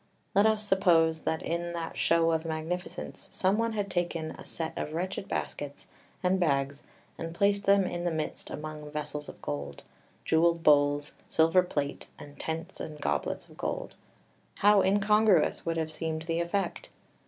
Let us suppose that in that show of magnificence some one had taken a set of wretched baskets and bags and placed them in the midst, among vessels of gold, jewelled bowls, silver plate, and tents and goblets of gold; how incongruous would have seemed the effect!